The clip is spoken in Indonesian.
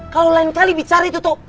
kalo lain kali bicara itu tuh